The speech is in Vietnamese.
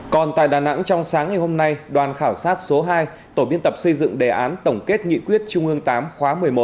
còn tại đà nẵng trong sáng ngày hôm nay đoàn khảo sát số hai tổ biên tập xây dựng đề án tổng kết nghị quyết trung ương viii khóa một mươi một